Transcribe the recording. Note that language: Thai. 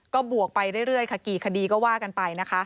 ก็บวกไปเรื่อยกี่คดีก็ว่ากันไป